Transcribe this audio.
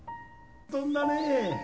飛んだね！